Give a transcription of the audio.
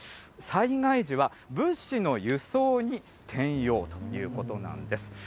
災害時は、物資の輸送に転用ということなんです。